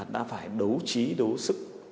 đã phải đấu trí đấu sức